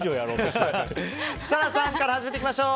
設楽さんから始めていきましょう。